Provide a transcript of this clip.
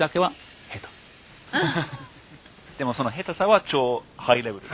でもその下手さは超ハイレベル。